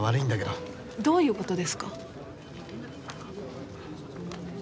どういう事ですか？